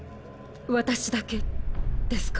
私だけですか？